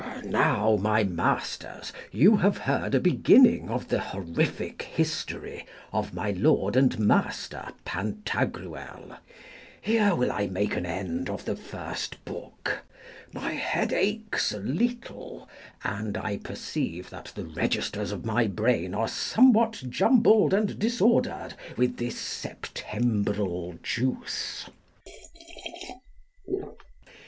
Now, my masters, you have heard a beginning of the horrific history of my lord and master Pantagruel. Here will I make an end of the first book. My head aches a little, and I perceive that the registers of my brain are somewhat jumbled and disordered with this Septembral juice.